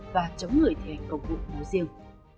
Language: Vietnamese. và chống người thi hành công vụ nói riêng